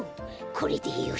これでよし！